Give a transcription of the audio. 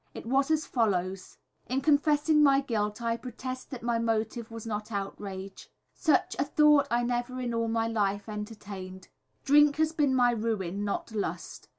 It was as follows: "In confessing my guilt I protest that my motive was not outrage. Such a thought I never in all my life entertained. Drink has been my ruin, not lust.